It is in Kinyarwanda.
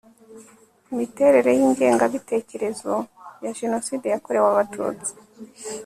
imiterere y'ingengabitekerezo ya jenoside yakorewe abatutsi